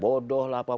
bodoh lah papua